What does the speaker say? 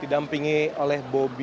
didampingi oleh bobi